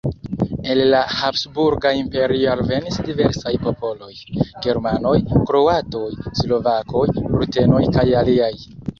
El la Habsburga Imperio alvenis diversaj popoloj: germanoj, kroatoj, slovakoj, rutenoj kaj aliaj.